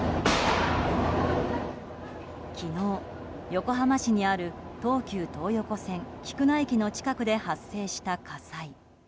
昨日、横浜市にある東急東横線菊名駅の近くで発生した火災。